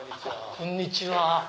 こんにちは。